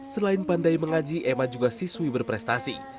selain pandai mengaji emma juga siswi berprestasi